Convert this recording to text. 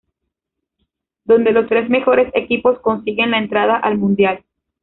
Donde los tres mejores equipos consiguen la entrada al mundial.